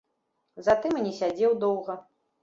Затым і не сядзеў доўга.